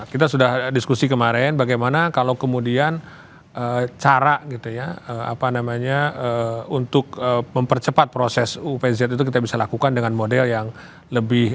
kita sudah diskusi kemarin bagaimana kalau kemudian cara gitu ya apa namanya untuk mempercepat proses upz itu kita bisa lakukan dengan model yang lebih